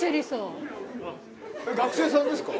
学生さんですか？